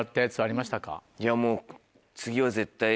いやもう。